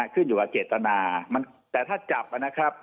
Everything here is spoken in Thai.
ขึ้นอยู่กับเจตนาแต่ถ้าจับนะครับ